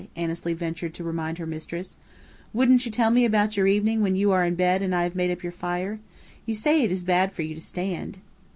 Annesley ventured to remind her mistress. "Won't you tell me about your evening when you are in bed and I have made up your fire? You say it is bad for you to stand."